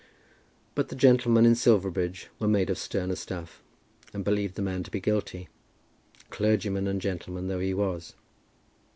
But the gentlemen in Silverbridge were made of sterner stuff, and believed the man to be guilty, clergyman and gentleman though he was.